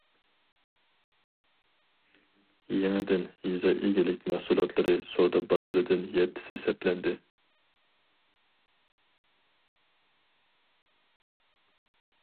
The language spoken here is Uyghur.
يېڭىدىن يېزا ئىگىلىك مەھسۇلاتلىرى سودا بازىرىدىن يەتتىسى سەپلەندى.